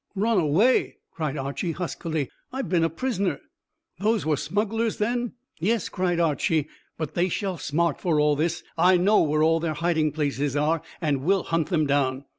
"Run away!" cried Archy huskily. "I've been a prisoner." "Those were smugglers, then?" "Yes," cried Archy; "but they shall smart for all this. I know where all their hiding places are, and we'll hunt them down."